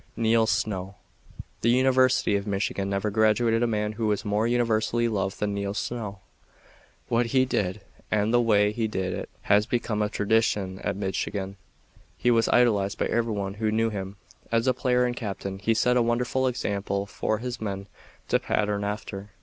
"'" Neil Snow The University of Michigan never graduated a man who was more universally loved than Neil Snow. What he did and the way he did it has become a tradition at Michigan. He was idolized by every one who knew him. As a player and captain he set a wonderful example for his men to pattern after.